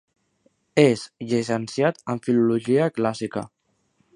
És llicenciat en Filologia clàssica.